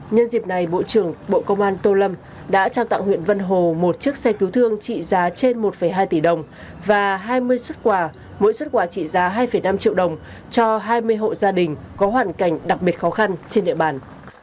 nhân dịp này bộ trưởng bộ công an tô lâm đã trao tặng huyện vân hồ một chiếc xe cứu thương trị giá trên một hai tỷ đồng và hai mươi xuất quà mỗi xuất quà trị giá hai năm triệu đồng cho hai mươi hộ gia đình có hoàn cảnh đặc biệt khó khăn trên địa bàn